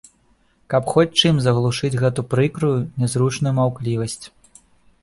Каб хоць чым заглушыць гэту прыкрую, нязручную маўклівасць.